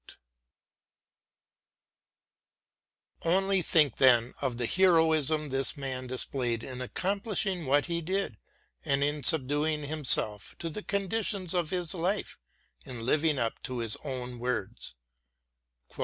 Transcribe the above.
t Only think then of the heroism this man dis played in accomplishing what he did and in subduing himself to the conditions of his life in living up to his own words :* Boswell's " Life of Johnson."